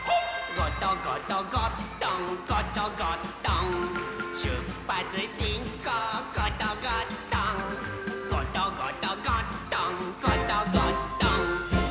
「ゴトゴトゴットンゴトゴットン」「しゅっぱつしんこうゴトゴットン」「ゴトゴトゴットンゴトゴットン」